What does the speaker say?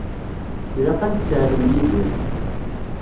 Ilaq ad nesseɛlem Yidir.